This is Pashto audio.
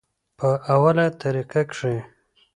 پۀ اوله طريقه کښې